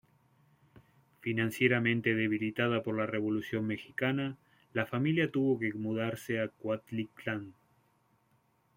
Financieramente debilitada por la Revolución mexicana, la familia tuvo que mudarse a Cuautitlán.